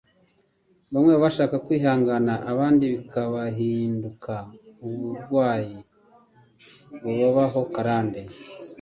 Bamwe babasha kwihangana abandi bigahinduka uburwayi bubabaho karande